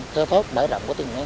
khai thác bãi rạng